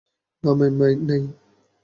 না, ম্যাম, নেই।